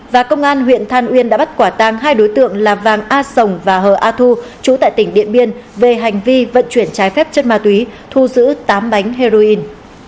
và công an huyện than uyên đã bắt quả tang hai đối tượng là vàng a sồng và hờ a thu trú tại tỉnh điện biên về hành vi vận chuyển trái phép chất ma túy thu giữ tám bánh heroin